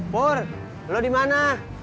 pur lu dimana